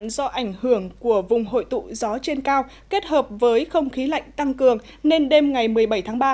do ảnh hưởng của vùng hội tụ gió trên cao kết hợp với không khí lạnh tăng cường nên đêm ngày một mươi bảy tháng ba